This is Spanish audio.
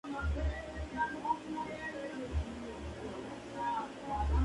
Fue el único camión de gran tonelaje comercializado por la empresa.